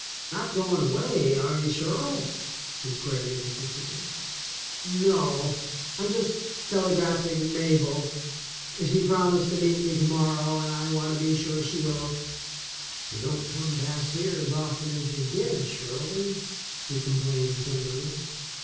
Not going away, are you, Shirl ?" he queried interestedly. "No; Vm just telegraphing to Mabel. She prom 154 THE SECOND CHOICE ised to meet me to morrow, and I want to be sure she will." "You don't come past here as often as you did, Shirley," he complained tenderly.